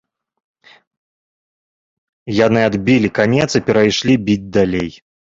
Яны адбілі канец і перайшлі біць далей.